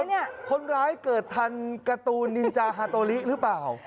คนร้ายเกิดทันการ์ตูนนินจาฮาโตลิหรือเปล่า